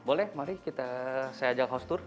boleh mari kita saya ajak hostur